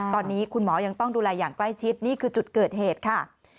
ตอนนี้คุณหมอยังต้องดูแลอย่างใกล้ชิดนี่คือจุดเกิดเหตุค่ะ